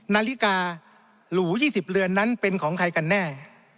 นาฬิกาหรู๒๐เรือนนั้นเป็นของใครกันแน่